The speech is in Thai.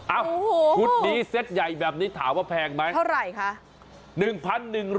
ชุดนี้เซ็ตใหญ่แบบนี้ถามว่าแพงไหมเท่าไหร่คะ